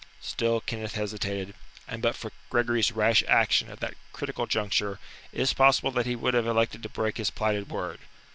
Still Kenneth hesitated, and but for Gregory's rash action at that critical juncture, it is possible that he would have elected to break his plighted word.